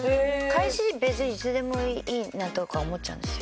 彼氏別にいつでもいいなとか思っちゃうんですよ。